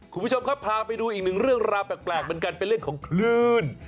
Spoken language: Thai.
คุณผู้ชมครับพาไปดูอีกหนึ่งเรื่องราวแปลกเหมือนกันเป็นเรื่องของคลื่น